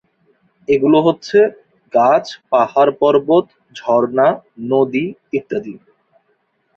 এগুলো হচ্ছেঃগাছ, পাহড়-পর্বত, ঝর্ণা, নদী ইত্যাদি।